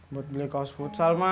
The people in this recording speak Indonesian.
buat beli kaos futsal mah